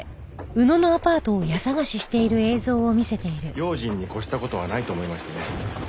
用心に越した事はないと思いましてね。